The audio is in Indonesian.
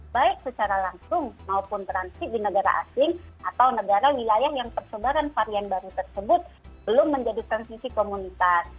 baik secara langsung maupun transit di negara asing atau negara wilayah yang persebaran varian baru tersebut belum menjadi transisi komunitas